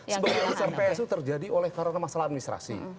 sebagai yang terjadi oleh karena masalah administrasi